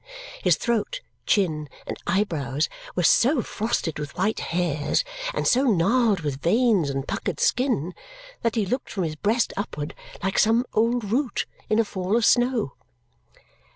His throat, chin, and eyebrows were so frosted with white hairs and so gnarled with veins and puckered skin that he looked from his breast upward like some old root in a fall of snow.